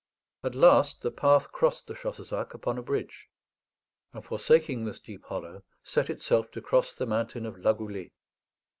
At last the path crossed the Chassezac upon a bridge, and, forsaking this deep hollow, set itself to cross the mountain of La Goulet.